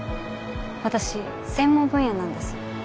私専門分野なんです。